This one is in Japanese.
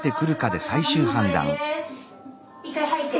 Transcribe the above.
一回吐いて。